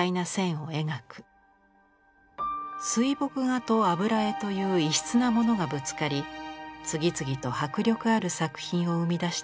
水墨画と油絵という異質なものがぶつかり次々と迫力ある作品を生み出してきました。